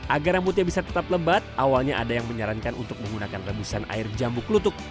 agar rambutnya bisa tetap lebat awalnya ada yang menyarankan untuk menggunakan rebusan air jambu kelutuk